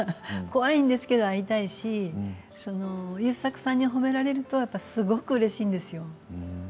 怖いんですけれど会いたいし優作さんに褒められるとやっぱりすごくうれしいんですよ。